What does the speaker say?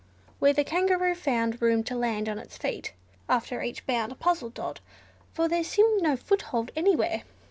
Where the Kangaroo found room to land on its feet after each bound puzzled Dot, for there seemed no foothold anywhere.